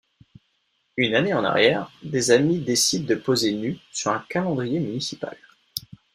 Une année en arrière, des amies décident de poser nues sur un calendrier municipal.